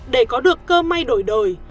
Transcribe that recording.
để có được cơ may đổi đời